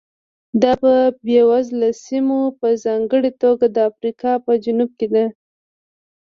دا په بېوزله سیمو په ځانګړې توګه د افریقا په جنوب کې ده.